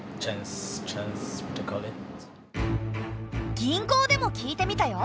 銀行でも聞いてみたよ。